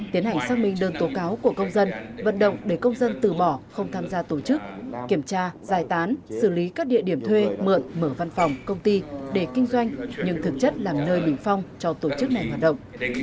tiến hành xác minh đơn tố cáo của công dân vận động để công dân từ bỏ không tham gia tổ chức kiểm tra giải tán xử lý các địa điểm thuê mượn mở văn phòng công ty để kinh doanh nhưng thực chất làm nơi bình phong cho tổ chức này hoạt động